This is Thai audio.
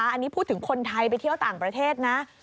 อันนี้พูดถึงคนไทยไปเที่ยวต่างประเทศนะ